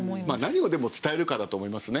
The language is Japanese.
何を伝えるかだと思いますね。